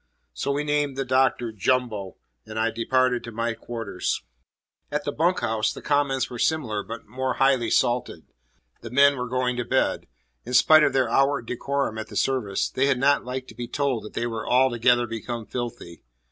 So we named the Doctor "Jumbo," and I departed to my quarters. At the bunk house, the comments were similar but more highly salted. The men were going to bed. In spite of their outward decorum at the service, they had not liked to be told that they were "altogether become filthy."